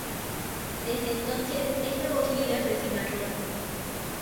Desde entonces, es la voz líder de Cimarrón.